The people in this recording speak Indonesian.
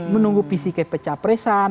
menunggu pck pecah presan